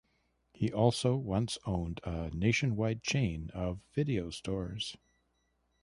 He also once owned a nationwide chain of video stores.